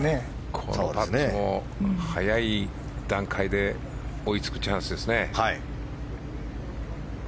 このパットも、早い段階で追いつくチャンスですね。